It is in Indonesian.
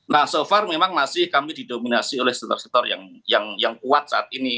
nah so far memang masih kami didominasi oleh sektor sektor yang kuat saat ini